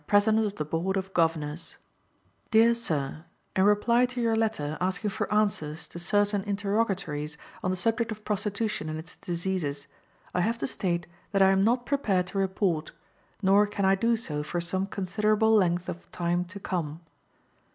President of the Board of Governors. "DEAR SIR, In reply to your letter asking for answers to certain interrogatories on the subject of prostitution and its diseases, I have to state that I am not prepared to report, nor can I do so for some considerable length of time to come.